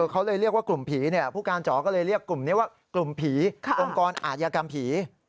กลุ่มสถาบันเรียกว่ากลุ่มผีองค์กรอาชีวะปี